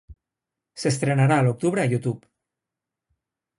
S'estrenarà a l'octubre a YouTube.